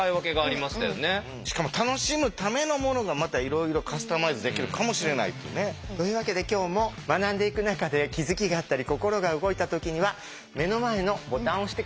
しかも楽しむためのものがまたいろいろカスタマイズできるかもしれないっていうね。というわけで今日も学んでいく中で押すとハートが光ります。